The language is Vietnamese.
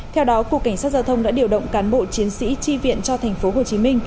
theo đó cục cảnh sát giao thông đã điều động cán bộ chiến sĩ chi viện cho tp hcm